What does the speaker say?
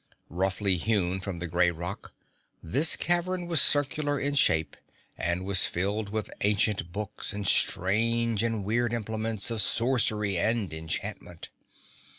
Roughly hewn from the grey rock, this cavern was circular in shape and was filled with ancient books and strange and weird implements of sorcery and enchantment.